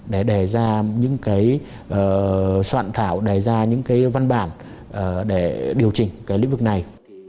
để đề ra những cái soạn thảo đề ra những cái văn bản để điều chỉnh cái lĩnh vực này